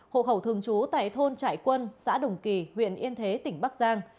hộ khẩu thường trú tại thôn trại quân xã đồng kỳ huyện yên thế tỉnh bắc giang